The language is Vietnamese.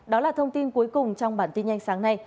đó là thông tin cuối cùng trong bản tin nhanh sáng nay